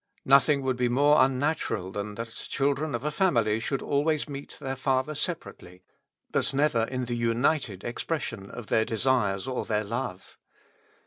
Notiiing would be more unnatural than that children of a family should always meet their father separately, but never in the united expression of their desires or their love.